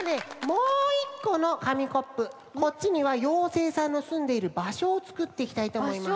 もう１このかみコップこっちには妖精さんのすんでいるばしょをつくっていきたいとおもいます。